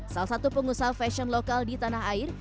salah satu pengusaha fashion lokal di tanah air